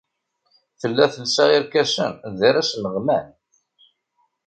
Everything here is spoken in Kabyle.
Tella telsa irkasen d arasen ɣman.